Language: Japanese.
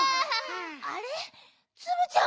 あれっツムちゃんは？